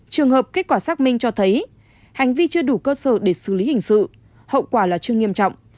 trường hợp kết quả xác minh cho thấy hành vi chưa đủ cơ sở để xử lý hình sự hậu quả là chưa nghiêm trọng